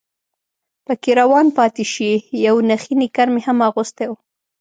پکې روان پاتې شي، یو نخی نیکر مې هم اغوستی و.